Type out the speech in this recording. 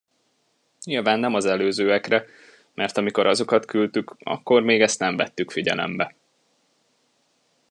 Nyilván nem az előzőekre, mert amikor azokat küldtük, akkor még ezt nem vettük figyelembe.